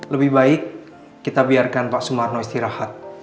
lebih baik kita biarkan pak sumarno istirahat